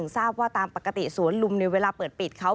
ทราบว่าตามปกติสวนลุมในเวลาเปิดปิดเขา